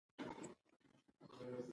د دوی حرکت فقط د خوځیدونکي حرکت په شکل وي.